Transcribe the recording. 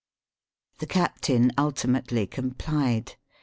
The captain ultimately complied.